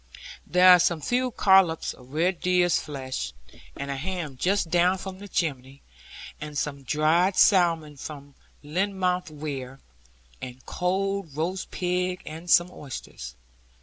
There are some few collops of red deer's flesh, and a ham just down from the chimney, and some dried salmon from Lynmouth weir, and cold roast pig, and some oysters.